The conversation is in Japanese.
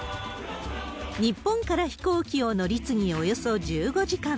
日本から飛行機を乗り継ぎ、およそ１５時間。